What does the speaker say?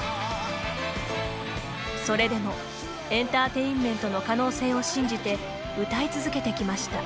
それでもエンターテインメントの可能性を信じて歌い続けてきました。